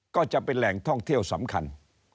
ก็จะเป็นแหล่งท่องเที่ยวสำคัญ